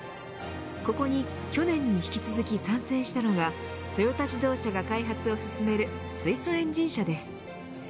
ここに去年に引き続き参戦したのがトヨタ自動車が開発を進める水素エンジン車です。